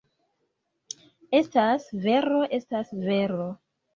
Estas vero, estas vero!